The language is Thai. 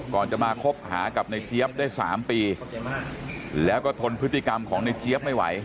ก่อนจะมาคบหากับในเจี๊ยบได้๓ปีแล้วก็ทนพฤติกรรมของในเจี๊ยบไม่ไหว